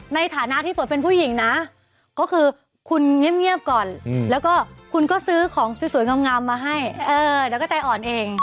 ในฐานะที่ฝนเป็นผู้หญิงนะก็คือคุณเงียบก่อนแล้วก็คุณก็ซื้อของสวยงามมาให้แล้วก็ใจอ่อนเอง